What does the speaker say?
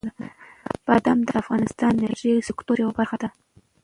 بادام د افغانستان د انرژۍ د سکتور یوه برخه ده.